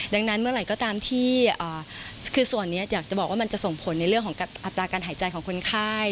ดังนั้นเมื่อไหร่ก็ตามที่คือส่วนนี้อยากจะบอกว่ามันจะส่งผลในเรื่องของอัตราการหายใจของคนไข้